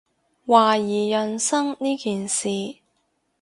懷疑人生呢件事